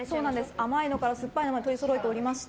甘いのからすっぱいのまで取りそろえておりまして。